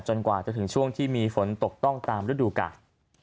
กว่าจะถึงช่วงที่มีฝนตกต้องตามฤดูกาล